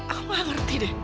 aku gak ngerti deh